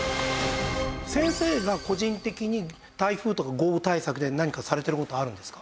先生が個人的に台風とか豪雨対策で何かされてる事あるんですか？